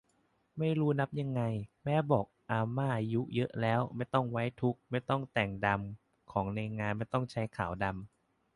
ไม่รู้นับยังไง แม่บอกอาม่าอายุเยอะแล้ว ไม่ต้องไว้ทุกข์ ไม่ต้องแต่งดำของในงานไม่ใช้ขาวดำ